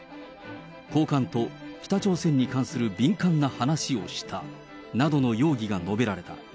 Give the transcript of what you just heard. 高官と北朝鮮に関する敏感な話をしたなどの容疑が述べられた。